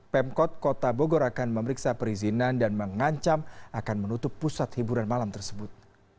pemkot kota bogor akan memeriksa perizinan dan mengancam akan menutup pusat hiburan malam tersebut